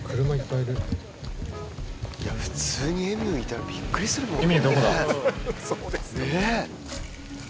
普通にエミューいたらびっくりするもんね。